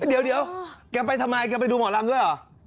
เดี๋ยวแกไปทำไมแกไปดูหมอลำด้วยเหรอ